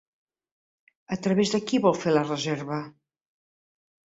A través de qui vol fer la reserva?